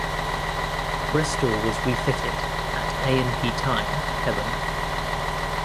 "Bristol" was refitted at A and P Tyne, Hebburn.